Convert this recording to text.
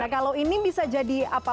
kalau ini bisa jadi apa